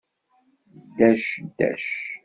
Ddac, ddac!